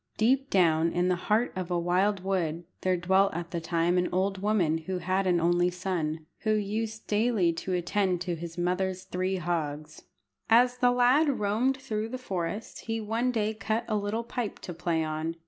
Deep down in the heart of a wild wood there dwelt at that time an old woman who had an only son, who used daily to attend to his mother's three hogs. As the lad roamed through the forest, he one day cut a little pipe to play on.